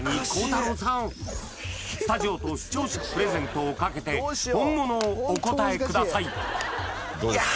スタジオと視聴者プレゼントをかけて本物をお答えくださいどうですか？